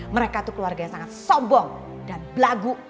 mereka itu keluarga yang sangat sombong dan belagu